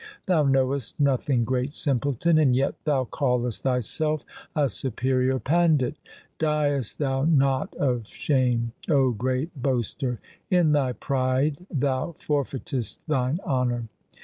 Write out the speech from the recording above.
Thou knowest nothing, great simpleton, and yet thou callest thyself a superior pandit. Diest thou not of shame, O great boaster ? In thy pride thou forfeitest thine honour.